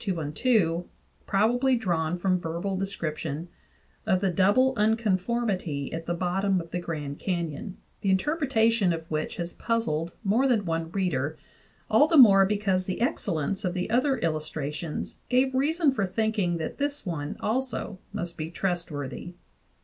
212), probably drawn from verbal description, of the double unconformity at the bottom of the Grand Canyon, the interpretation of which has puzzled more than one reader, all the more because the excellence of the other illustrations gave reason for thinking that this one also must be trust worthy.